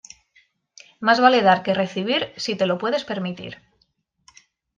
Más vale dar que recibir, si te lo puedes permitir.